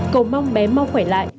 cầu mong bé mau khỏe lại